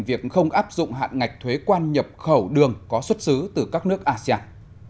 việc không áp dụng hạn ngạch thuế quan nhập khẩu đường có xuất xứ từ các nước asean